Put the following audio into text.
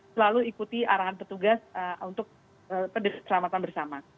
selalu ikuti arahan petugas untuk bersama sama